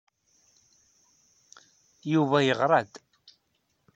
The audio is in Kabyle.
Yuba yeɣra-d.